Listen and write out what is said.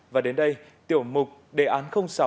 và đến đây tiểu mục đề án sáu